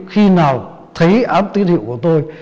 khi nào thấy áp tiên hiệu của tôi